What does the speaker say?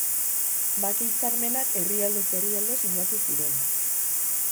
Bake-hitzarmenak herrialdez herrialde sinatu ziren.